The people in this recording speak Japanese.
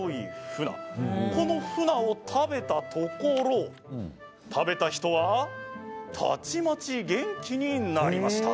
このふなを食べたところ食べた人はたちまち元気になりました。